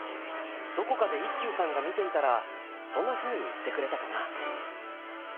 どこかで一休さんが見ていたらそんなふうに言ってくれたかな。